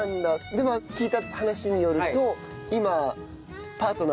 でも聞いた話によると今。